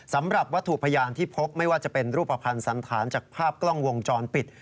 สำหรับวัตถุพยานที่พบไม่ว่าจะเป็นรูปภัณฑ์สันธารจากภาพกล้องวงจรปิด